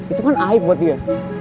itu kan aib buat dia